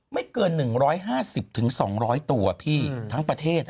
ไม่เกิน๑๕๐๒๐๐ตัวพี่ทั้งประเทศ